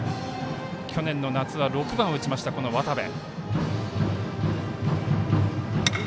去年の夏は６番を打ちました渡部。